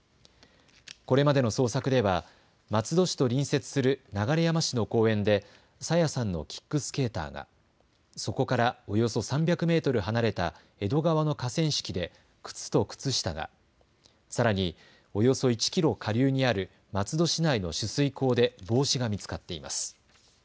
これまでの捜索では松戸市と隣接する流山市の公園で朝芽さんのキックスケーターが、そこからおよそ３００メートル離れた江戸川の河川敷で靴と靴下が、さらにおよそ１キロ下流にある松戸市内の取水口で帽子が見つかっています。